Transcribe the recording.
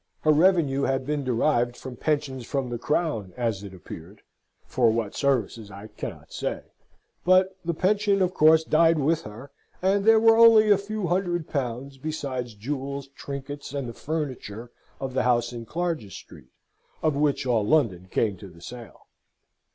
Her revenue had been derived from pensions from the Crown as it appeared (for what services I cannot say), but the pension of course died with her, and there were only a few hundred pounds, besides jewels, trinkets, and the furniture of the house in Clarges Street, of which all London came to the sale.